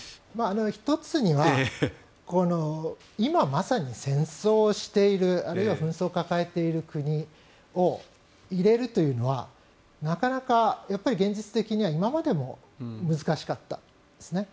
１つには今まさに戦争しているあるいは紛争を抱えている国を入れるというのはなかなか現実的には今までも難しかったんですね。